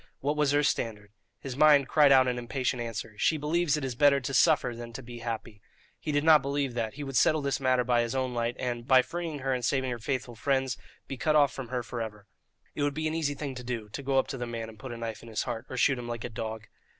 What was her standard? His mind cried out an impatient answer. "She believes it is better to suffer than to be happy." He did not believe that; he would settle this matter by his own light, and, by freeing her and saving her faithful friends, be cut off from her for ever. It would be an easy thing to do, to go up to the man and put a knife in his heart, or shoot him like a dog!